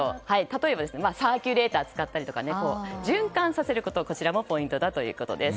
例えば、サーキュレーターを使ったりとか循環させることもポイントだということです。